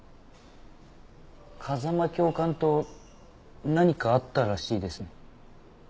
風間教官と何かあったらしいですね。